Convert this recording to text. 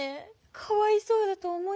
かわいそうだと思いませんか？